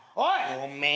ごめん。